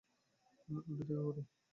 উল্টো দিকে ঘুর।